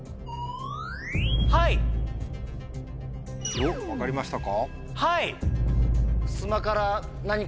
おっ分かりましたか？